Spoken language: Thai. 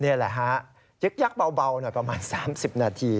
นี่แหละฮะยึกยักษ์เบาหน่อยประมาณ๓๐นาที